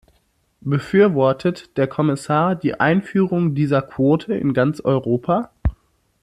Befürwortet der Kommissar die Einführung dieser Quote in ganz Europa?